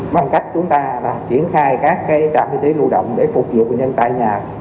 bằng cách chúng ta triển khai các trạm y tế lưu động để phục vụ bệnh nhân tại nhà